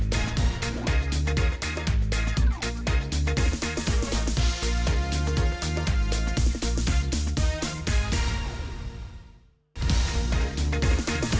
เต็ม